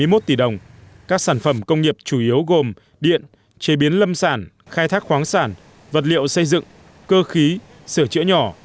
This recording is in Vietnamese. trong thời gian tới các sản phẩm công nghiệp chủ yếu gồm điện chế biến lâm sản khai thác khoáng sản vật liệu xây dựng cơ khí sửa chữa nhỏ